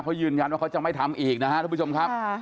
เขายืนยันว่าเขาจะไม่ทำอีกนะครับทุกผู้ชมครับ